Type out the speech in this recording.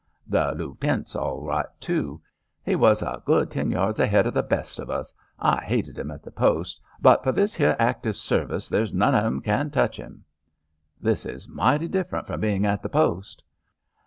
"The Lootenant s all right, too. He was a good ten yards ahead of the best of us. I hated him at the post, but for this here active service there's none of 'em can touch him." "This is mighty different from being at the post."